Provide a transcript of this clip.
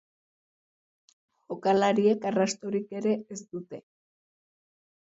Jokalariek arrastorik ere ez dute.